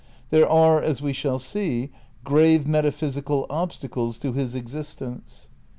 There are, as we shall see, grave metaphysical obstacles to his existence.